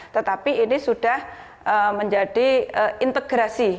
tetapi ini sudah menjadi integrasi